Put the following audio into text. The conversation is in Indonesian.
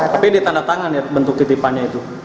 tapi ini tanda tangan bentuk ketipannya itu